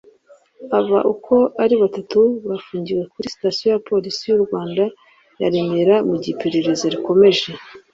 Aba uko ari batatu bafungiwe kuri sitasiyo ya Polisi y’u Rwanda ya Remera mu gihe iperereza rikomeje